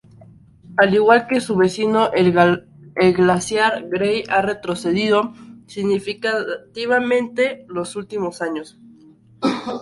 Al igual que su vecino, el glaciar Grey, ha retrocedido significativamente los últimos años.